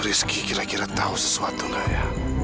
rizky kira kira tahu sesuatu nggak ya